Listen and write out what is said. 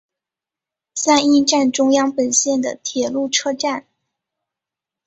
三鹰站中央本线的铁路车站。